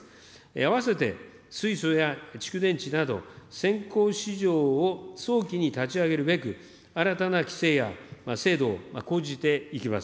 あわせて水素や蓄電池など、せんこう市場を早期に立ち上げるべく、新たな規制や制度を講じていきます。